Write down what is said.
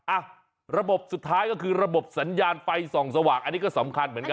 อ่ะระบบสุดท้ายก็คือระบบสัญญาณไฟส่องสว่างอันนี้ก็สำคัญเหมือนกัน